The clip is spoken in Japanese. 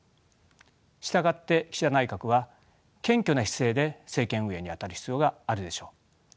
従って岸田内閣は謙虚な姿勢で政権運営に当たる必要があるでしょう。